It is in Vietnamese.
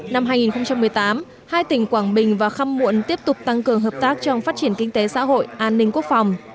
năm hai nghìn một mươi tám hai tỉnh quảng bình và khăm muộn tiếp tục tăng cường hợp tác trong phát triển kinh tế xã hội an ninh quốc phòng